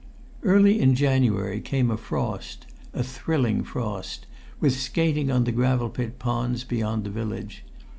Early in January came a frost a thrilling frost with skating on the gravel pit ponds beyond the Village.